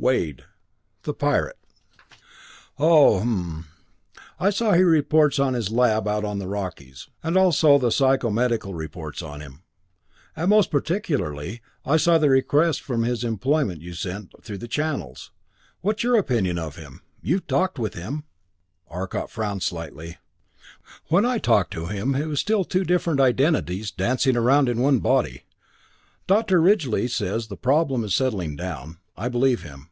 "Wade the pirate." "Oh hmm. I saw the reports on his lab out on the Rockies, and also the psychomedical reports on him. And most particularly, I saw the request for his employment you sent through channels. What's your opinion on him? You talked with him." Arcot frowned slightly. "When I talked to him he was still two different identities dancing around in one body. Dr. Ridgely says the problem's settling down; I believe him.